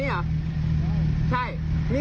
พี่มาปากหนู